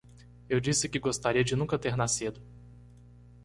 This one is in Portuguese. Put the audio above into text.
Eu disse que gostaria de nunca ter nascido.